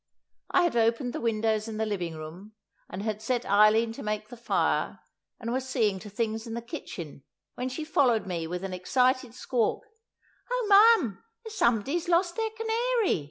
I had opened the windows in the living room, and had set Eileen to make the fire, and was seeing to things in the kitchen, when she followed me with an excited squawk: "Oh, ma'am, there's somebody has lost their canary!